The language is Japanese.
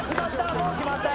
もう決まったよ。